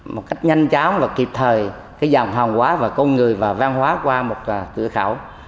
một cách nhanh chóng và kịp thời cái dòng hàng hóa và con người và văn hóa qua một cửa khẩu